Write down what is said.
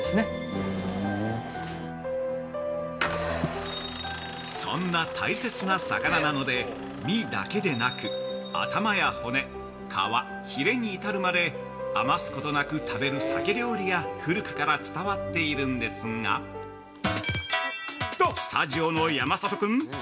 ◆そんな大切な魚なので、身だけでなく、頭や骨、皮、ヒレに至るまで余すことなく食べる鮭料理が、古くから伝わっているんですがスタジオの山里君！